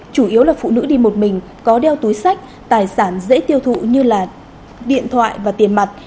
chủ yếu là phụ nữ đi một mình có đeo túi sách tài sản dễ tiêu thụ như là điện thoại và tiền mặt